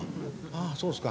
「ああそうですか。